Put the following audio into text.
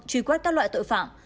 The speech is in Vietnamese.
truy quét các loại tội phạm